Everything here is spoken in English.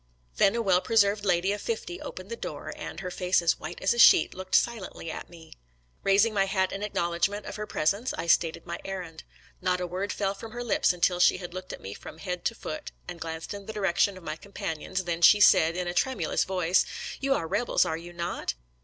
Then a well pre served lady of fifty opened the door, and, her face as white as a sheet, looked silently at me. Eaising my hat in acknowledgment of her pres ence, I stated my errand. Not a word fell from her lips until she had looked at me from head to 126 SQLDIEB'S LETTERS TO CHARMING NELLIE foot, and glanced in the direction of my compan ions, then she said, in a tremulous voice, "You are Kebels, are you not?